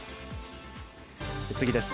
次です。